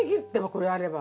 これあれば。